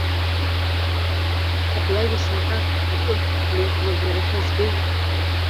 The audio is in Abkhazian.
Абри ажәа сымҳәар акы длеиҟәнажәарашәа збеит.